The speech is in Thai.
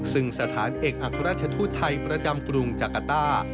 ซึ่งสถานเอกอัครราชทูตไทยประจำกรุงจักรต้า